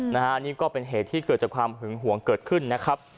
นะฮะนี่ก็เป็นเหตุที่เกิดจากความหึงหวงเกิดขึ้นนะครับ